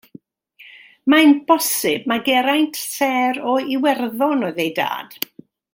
Mae'n bosibl mai Geraint Saer o Iwerddon oedd ei dad.